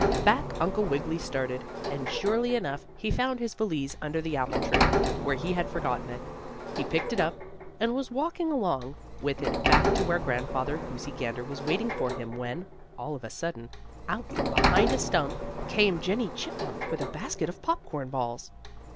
Back Uncle Wiggily started, and, surely enough, he found his valise under the apple tree, where he had forgotten it. He picked it up, and was walking along with it back to where Grandfather Goosey Gander was waiting for him when, all of a sudden, out from behind a stump came Jennie Chipmunk, with a basket of popcorn balls.